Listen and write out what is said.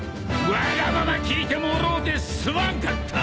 わがまま聞いてもろうてすまんかった